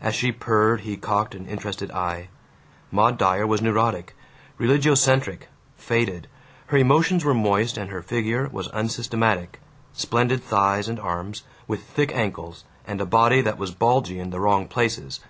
As she purred he cocked an interested eye. Maud Dyer was neurotic, religiocentric, faded; her emotions were moist, and her figure was unsystematic splendid thighs and arms, with thick ankles, and a body that was bulgy in the wrong places.